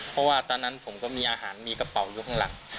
เพราะว่าตอนนั้นผมก็มีอาหารมีกระเป๋าอยู่ข้างหลัง